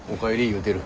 言うてる。